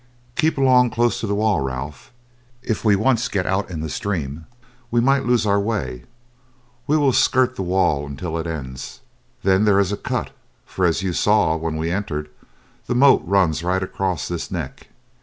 "Keep along close by the wall, Ralph, if we once get out in the stream we might lose our way; we will skirt the wall until it ends, then there is a cut, for as you saw when we entered, the moat runs right across this neck.